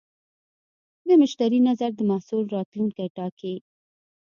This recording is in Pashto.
د مشتری نظر د محصول راتلونکی ټاکي.